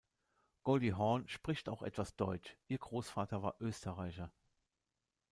Goldie Hawn spricht auch etwas deutsch, ihr Großvater war Österreicher.